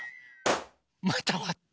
またわった。